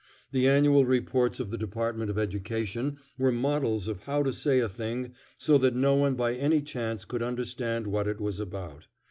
The annual reports of the Department of Education were models of how to say a thing so that no one by any chance could understand what it was about.